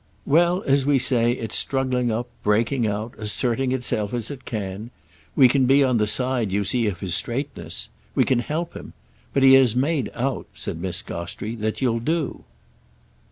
"Well, as we say, it's struggling up, breaking out, asserting itself as it can. We can be on the side, you see, of his straightness. We can help him. But he has made out," said Miss Gostrey, "that you'll do."